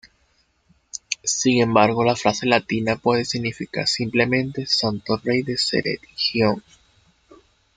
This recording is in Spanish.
Sin embargo, la frase latina puede significar simplemente "santo rey de Ceredigion".